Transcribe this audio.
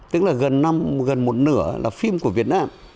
tức là gần một nửa là phim của việt nam